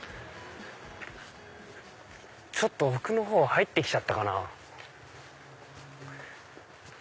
ちょっと奥のほう入って来ちゃったかな。